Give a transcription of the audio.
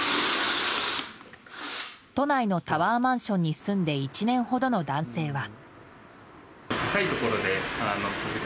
都内のタワーマンションに住んで１年ほどの男性は。